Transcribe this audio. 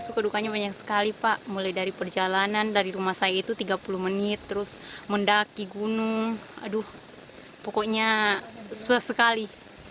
suka dukanya banyak sekali pak mulai dari perjalanan dari rumah saya itu tiga puluh menit terus mendaki gunung aduh pokoknya susah sekali